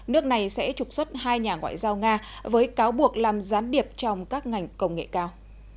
nước này sẽ trục xuất hai nhà ngoại giao nga với cáo buộc làm gián điệp trong các ngành công nghệ cao